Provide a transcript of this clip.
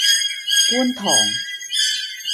觀塘